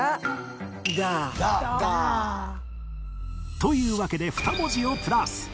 というわけで２文字をプラス